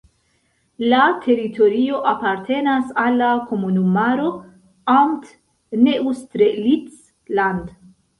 La teritorio apartenas al la komunumaro "Amt Neustrelitz-Land".